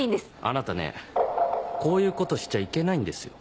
あなたねこういうことしちゃいけないんですよ。